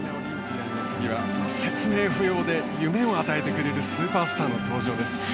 説明不要で夢を与えてくれるスーパースターの登場です。